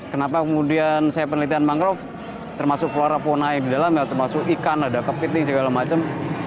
kenapa kemudian saya penelitian mangrove termasuk flora fauna yang di dalam ya termasuk ikan ada kepiting segala macam